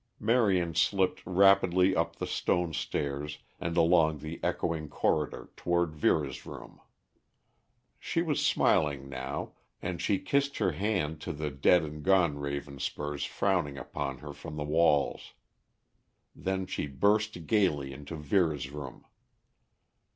Marion slipped rapidly away up the stone stairs and along the echoing corridor toward Vera's room. She was smiling now, and she kissed her hand to the dead and gone Ravenspurs frowning upon her from the walls. Then she burst gaily into Vera's room.